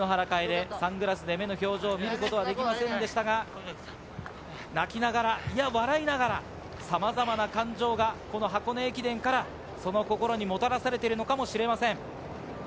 篠原楓、サングラスで目の表情を見ることはできませんでしたが、泣きながら、笑いながら、さまざまな感情が箱根駅伝からその心にもたらされているのかもしれません。